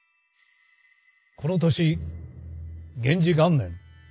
この年元治元年